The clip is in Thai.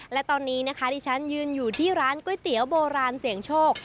และตอนนี้นะคะที่ฉันยืนอยู่ที่ร้านก๋วยเตี๋ยวโบราณเสียงโชค